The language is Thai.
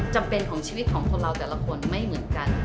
จำเป็นของชีวิตของคนเราแต่ละคนไม่เหมือนกัน